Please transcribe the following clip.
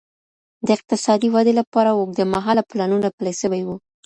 د اقتصادي ودي لپاره اوږد مهاله پلانونه پلي سوي وو.